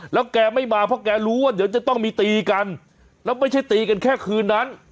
แล้วแกไม่มาเพราะแกรู้ว่าเดี๋ยวจะต้องมีตีกันแล้วไม่ใช่ตีกันแค่คืนนั้น